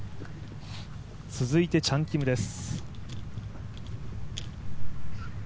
続いて、チャン・キムです。